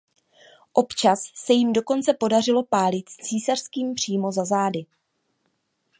Občas se jim dokonce podařilo pálit císařským přímo za zády.